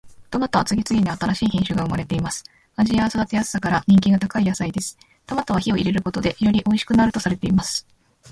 トマトは次々に新しい品種が生まれています。味や育てやすさから人気が高い野菜です。トマトは火を入れることでよりおいしくなるとされています。